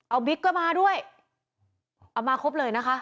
เอาบิ๊กก็มาด้วยเอามาครบเลยนะคะ